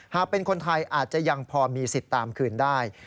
หากเป็นคนไทยอาจจะยังพอมีสิทธิ์ตามคืนได้